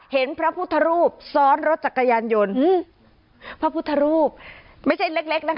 พระพุทธรูปซ้อนรถจักรยานยนต์พระพุทธรูปไม่ใช่เล็กนะคะ